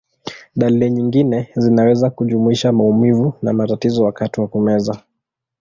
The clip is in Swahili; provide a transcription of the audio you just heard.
Dalili nyingine zinaweza kujumuisha maumivu na matatizo wakati wa kumeza.